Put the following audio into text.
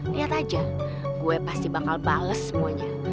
lihat aja gue pasti bakal bales semuanya